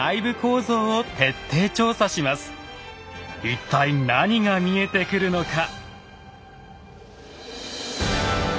一体何が見えてくるのか。